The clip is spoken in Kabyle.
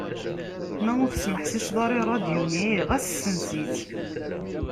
Ma ur tesmeḥsiseḍ ara i rradyu-nni, ɣas ssens-itt.